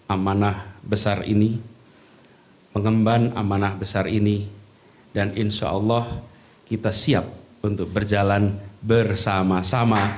amanah besar ini mengemban amanah besar ini dan insya allah kita siap untuk berjalan bersama sama